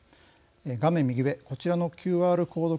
画面右上のＱＲコード